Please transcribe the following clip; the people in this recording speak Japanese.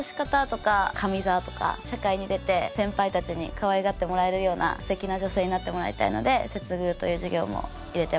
社会に出て先輩たちにかわいがってもらえるような素敵な女性になってもらいたいので接遇という授業も入れてます。